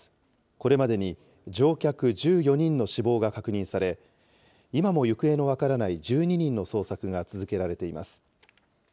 これまでに乗客１４人の死亡が確認され、今も行方が分からない１２人の捜索が続けられています。